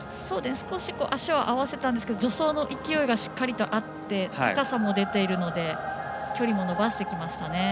少し足を合わせたんですけど助走の勢いがしっかりと合って高さも出ているので距離も伸ばしてきましたね。